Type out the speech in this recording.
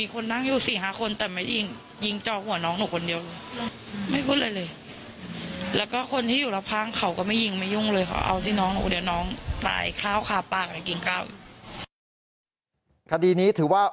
คดีนี้ถือว่า